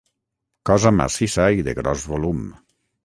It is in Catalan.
Cosa massissa i de gros volum.